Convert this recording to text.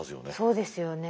そうですよね。